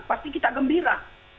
pasti kita gembira